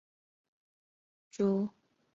侏儒蚺属而设。